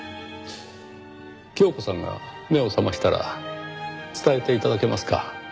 恭子さんが目を覚ましたら伝えて頂けますか。